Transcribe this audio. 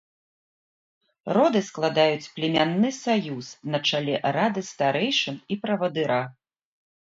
Роды складаюць племянны саюз на чале рады старэйшын і правадыра.